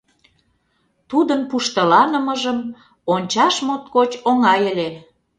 Тудын пуштыланымыжым ончаш моткоч оҥай ыле!